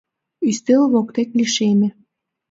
Ӱстел воктек лишеме.